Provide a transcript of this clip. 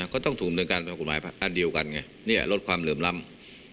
ก็ต้องถูกรบโทษเพราะกฎหมายอันเดียวกันนี่ลดความเหลือมลำ